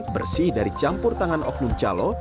bersih dari campur tangan oknum calo